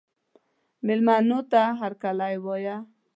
مېلمنو ته هرکلی وایه.